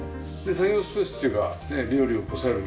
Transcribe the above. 作業スペースというか料理をこさえる